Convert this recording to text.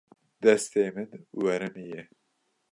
Destê min werimiye.